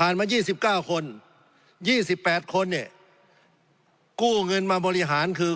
มา๒๙คน๒๘คนเนี่ยกู้เงินมาบริหารคือ